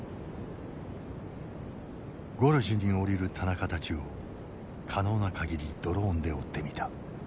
ゴルジュに降りる田中たちを可能な限りドローンで追ってみた。